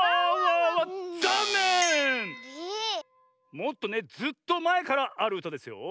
もっとねずっとまえからあるうたですよ。